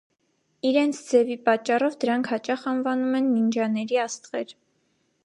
Իրենց ձևի պատճառով դրանք հաճախ անվանում են «նինջաների աստղեր»։